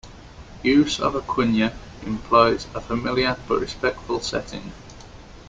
Use of a kunya implies a familiar but respectful setting.